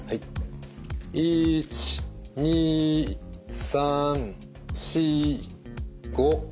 １２３４５。